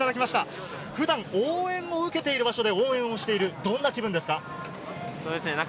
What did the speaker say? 普段応援を受けている場所で応援をしている、どんな気分ですか？